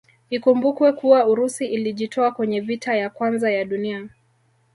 Ikumbukwe kuwa Urusi ilijitoa kwenye vita ya kwanza ya dunia